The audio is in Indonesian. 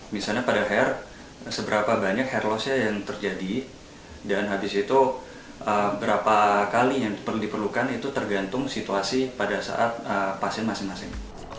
misalnya pada hair seberapa banyak hair loss nya yang terjadi dan habis itu berapa kali yang diperlukan itu tergantung situasi pada saat pasien masing masing